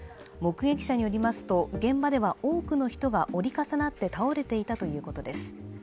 目撃者によりますと、現場では多くの人が折り重なって倒れていたということです。